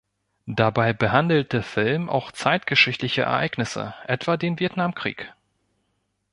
Dabei behandelt der Film auch zeitgeschichtliche Ereignisse, etwa den Vietnamkrieg.